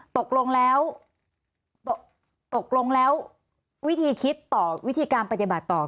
ตกลงแล้วตกลงแล้ววิธีคิดต่อวิธีการปฏิบัติต่อ